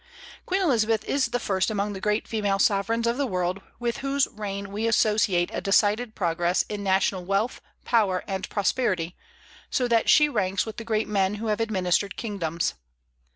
Queen Elizabeth is the first among the great female sovereigns of the world with whose reign we associate a decided progress in national wealth, power, and prosperity; so that she ranks with the great men who have administered kingdoms.